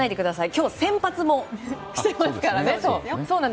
今日は先発もしてますからね。